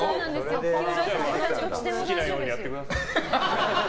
好きなようにやってください。